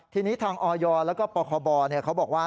ที่นี้ทางออยและปลเขาบอกว่า